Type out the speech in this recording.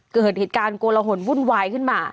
เกิดเหตุการณ์โกลหนวุ่นวายขึ้นมา